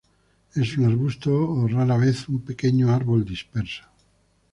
Es un arbusto o rara vez un pequeño árbol disperso.